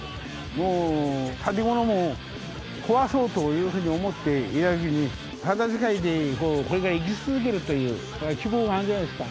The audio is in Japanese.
もう建物も壊そうというふうに思っていただけに、形変えて、これから生き続けるという、希望があるじゃないですか。